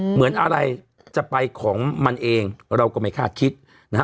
เหมือนอะไรจะไปของมันเองเราก็ไม่คาดคิดนะฮะ